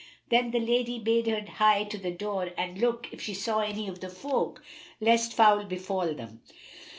Then the lady bade her hie to the door and look if she saw any of the folk, lest foul befal them.